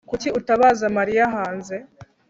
Kuki utabaza Mariya hanze